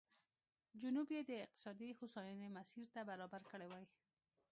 جنوب یې د اقتصادي هوساینې مسیر ته برابر کړی وای.